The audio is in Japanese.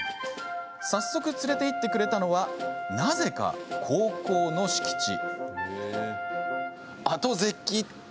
早速、連れて行ってくれたのはなぜか高校の敷地。